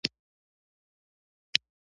تېر کال مې په خیال کې هم نه و.